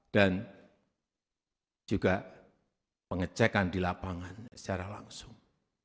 dan juga pengecekan di lapangan secara langsung